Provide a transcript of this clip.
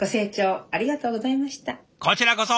こちらこそ。